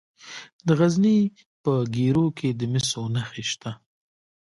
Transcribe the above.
د غزني په ګیرو کې د مسو نښې شته.